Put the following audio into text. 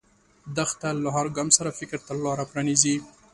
دښته له هر ګام سره فکر ته لاره پرانیزي.